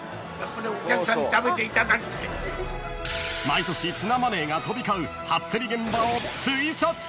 ［毎年ツナマネーが飛び交う初競り現場をツイサツ］